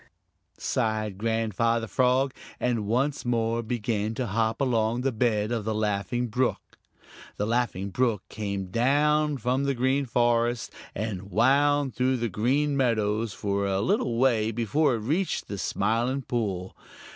"I wish I had wings," sighed Grandfather Frog, and once more began to hop along up the bed of the Laughing Brook. The Laughing Brook came down from the Green Forest and wound through the Green Meadows for a little way before it reached the Smiling Pool.